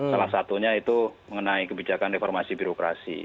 salah satunya itu mengenai kebijakan reformasi birokrasi